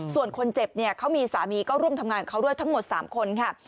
ส่วนคนเจ็บเนี่ยเขามีสามีก็ร่วมทำงานกับเขาด้วยทั้งหมด๓คนค่ะ